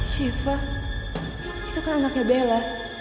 siva itu kan anaknya bella